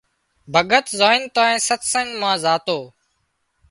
ڀڳت زانئين تانئين ستسنگ مان زاتو